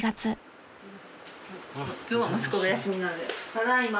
ただいま。